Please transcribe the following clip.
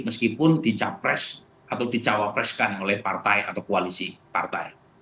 meskipun dicapres atau dicawapreskan oleh partai atau koalisi partai